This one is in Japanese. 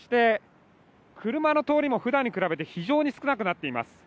車の通りもふだんに比べて非常に少なくなっています。